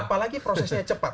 apalagi prosesnya cepat